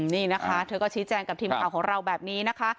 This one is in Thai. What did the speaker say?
นี่นะคะเธอก็ชี้แจงกับทีมข่าวของเราแบบนี้นะคะ